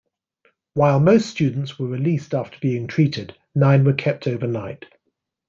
While most students were released after being treated, nine were kept overnight.